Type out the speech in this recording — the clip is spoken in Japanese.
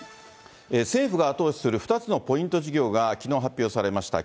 政府が後押しする２つのポイント事業が、きのう発表されました。